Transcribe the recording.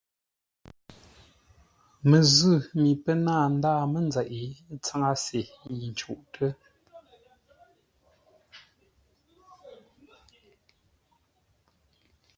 Məzʉ̂ mi pə́ náa ndáa mənzeʼ, ə̂ tsáŋə́se yi ncûʼtə́.